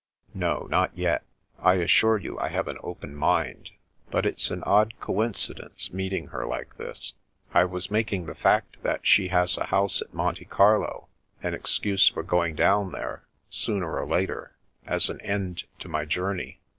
" No, not yet. I assure you I have an open mind. But it's an odd coincidence meeting her like this. I was making the fact that she has a house at Monte Carlo an excuse for going down there — ^sooner or later — as an end to my journey.